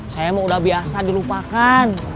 saya mah udah biasa dirupakan